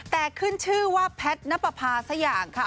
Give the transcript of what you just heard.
แต่ขึ้นชื่อว่าแพทย์นับประพาสักอย่างค่ะ